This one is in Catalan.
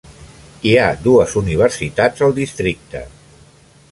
Hi ha dues universitats al districte.